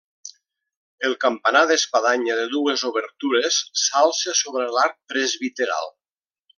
El campanar d'espadanya de dues obertures s'alça sobre l'arc presbiteral.